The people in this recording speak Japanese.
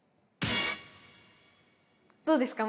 どうですか？